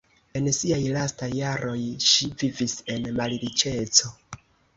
En siaj lastaj jaroj ŝi vivis en malriĉeco.